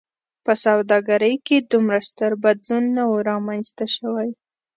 په سوداګرۍ کې دومره ستر بدلون نه و رامنځته شوی.